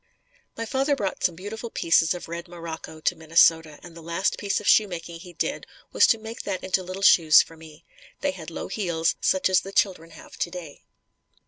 My father brought some beautiful pieces of red morocco to Minnesota and the last piece of shoemaking he did, was to make that into little shoes for me. They had low heels such as the children have today.